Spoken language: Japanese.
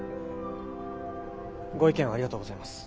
ご意見をありがとうございます。